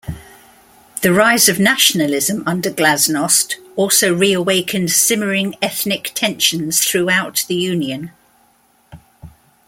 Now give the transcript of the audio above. The rise of nationalism under glasnost also reawakened simmering ethnic tensions throughout the union.